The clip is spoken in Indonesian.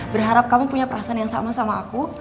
berharap kamu punya perasaan yang sama sama aku